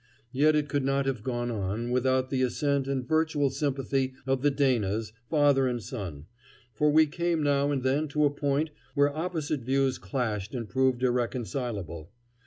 Yet it could not have gone on without the assent and virtual sympathy of the Danas, father and son; for we came now and then to a point where opposite views clashed and proved irreconcilable.